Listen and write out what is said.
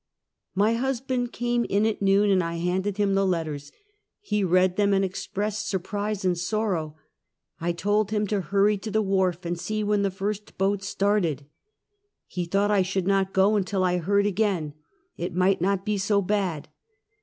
My husband came in at noon, and I handed him the letters. He read them and expressed surprise and sorrow, and I told him to hurry to the wharf and see when the first boat started. He thought I should not go until I heard again. It might not be so bad.